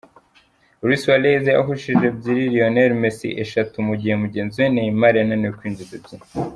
Luis Suarez yahushije ebyiri, Lionel Messi eshatu mu gihe mugenzi Neymar yananiwe kwinjiza ebyiri.